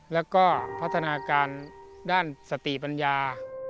แล้วก็พัฒนาการด้านสติปัญญา